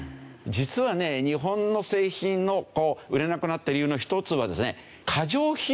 実はね日本の製品の売れなくなった理由の一つはですね。